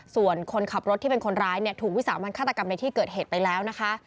ส่วนคนขับรถที่เป็นคนร้ายเนี่ยถูกวิสามันฆาตกรรมในที่เกิดเหตุไปแล้วนะคะ